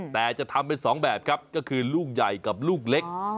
แต่จะทำเป็น๒แบบครับก็คือลูกใหญ่กับลูกเล็ก